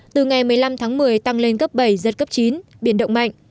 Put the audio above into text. từ ngày một mươi năm tháng một mươi tăng lên cấp bảy giật cấp chín biển động mạnh